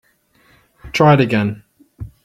Try it again.